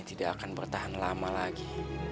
tidak akan bertahan lama lagi